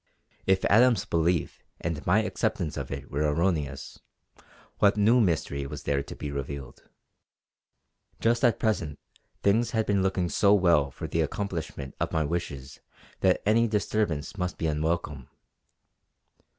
If Adams's belief and my acceptance of it were erroneous, what new mystery was there to be revealed? Just at present things had been looking so well for the accomplishment of my wishes that any disturbance must be unwelcome.